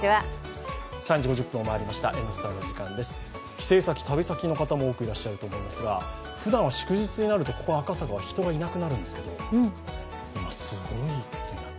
帰省先、旅先の方も多くいらっしゃると思いますが、ふだん祝日になるとここ赤坂は人がいなくなるんですけど、今、すごいことになって。